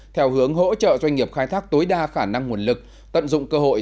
theo hướng hỗ trợ doanh nghiệp khai thác tối đa khả năng nguồn lực tận dụng cơ hội